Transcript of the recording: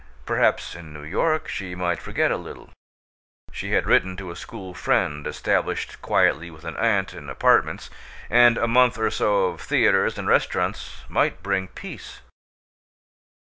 Perhaps in New York she might forget a little. She had written to a school friend, established quietly with an aunt in apartments and a month or so of theaters and restaurants might bring peace.